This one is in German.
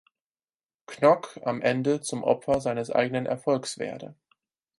Knock am Ende zum Opfer seines eigenen Erfolgs werde.